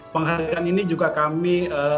penghargaan ini juga kami